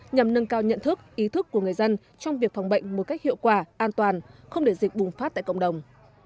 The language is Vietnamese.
nhằm nâng cao nhận thức ý thức của người dân trong việc phòng bệnh một cách hiệu quả an toàn không để dịch bùng phát tại cộng đồng